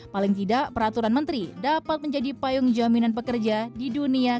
paling tidak peraturan menteri dapat menjadi payung jaminan pekerja di dunia